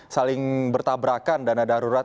saling bertabrakan dana darurat